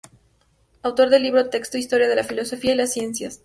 Autor del libro de Texto "Historia de la Filosofía y las Ciencias".